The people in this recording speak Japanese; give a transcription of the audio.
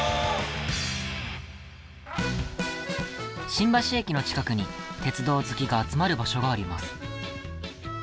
新橋駅の近くに鉄道好きが集まる場所があります。